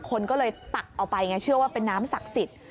คนก็เลยตักเอาไปไงเชื่อว่าเป็นน้ำศักดิ์สิทธิ์